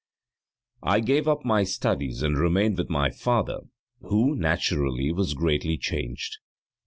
I gave up my studies and remained with my father, who, naturally, was greatly changed.